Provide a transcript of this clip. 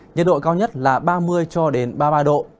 nhiệt độ cao nhất là ba mươi cho đến ba mươi ba độ